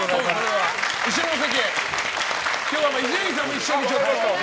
今日は伊集院さんも一緒に。